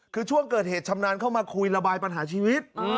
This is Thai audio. คือช่วงเกิดเหตุชำนาญเข้ามาคุยระบายปัญหาชีวิต